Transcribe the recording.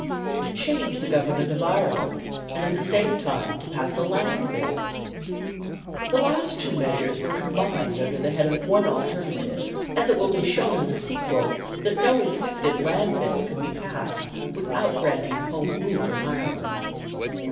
To change the government of Ireland, and at the same time to pass a Land Bill. The two last measures are combined under the head of one alternative, as it will be shown in the sequel that no effective Land Bill can be passed without granting Home Rule in Ireland.